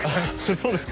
そうですか？